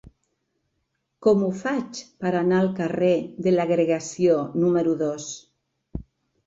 Com ho faig per anar al carrer de l'Agregació número dos?